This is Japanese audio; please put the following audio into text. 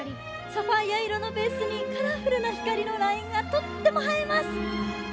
サファイア色のベースにカラフルな色がとっても映えます。